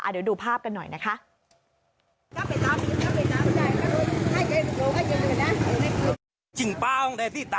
เดี๋ยวดูภาพกันหน่อยนะคะ